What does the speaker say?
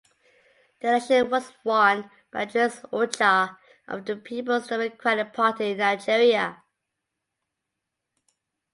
The election was won by Julius Ucha of the Peoples Democratic Party (Nigeria).